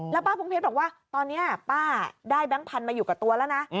แล้วป้าพุงเพชรบอกว่าตอนนี้ป้าได้แบงค์พันธุ์มาอยู่กับตัวแล้วนะ